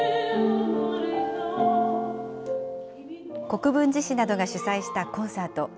国分寺市などが主催したコンサート。